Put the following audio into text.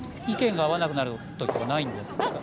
意見が合わなくなる時とかないんですか？